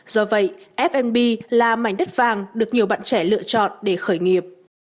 do vậy f b là mảnh đất vàng được nhiều bạn trẻ lựa chọn để khởi nghiệp